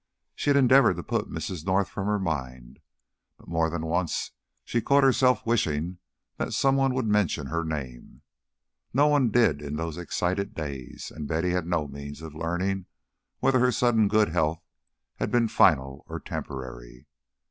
She had endeavoured to put Mrs. North from her mind, but more than once she caught herself wishing that some one would mention her name. Nobody did in those excited days, and Betty had no means of learning whether her sudden good health had been final or temporary.